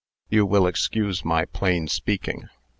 You will excuse my plain speaking."